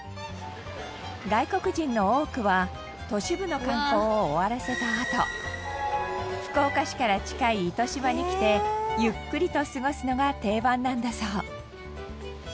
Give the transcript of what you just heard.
外国人の多くは都市部の観光を終わらせたあと福岡市から近い糸島に来てゆっくりと過ごすのが定番なんだそう。